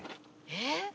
えっ？